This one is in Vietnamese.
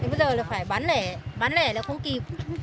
bây giờ là phải bán lẻ bán lẻ là không kịp